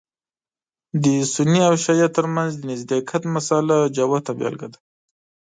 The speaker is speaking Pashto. د سني او شعیه تر منځ د نزدېکت مسأله جوته بېلګه ده.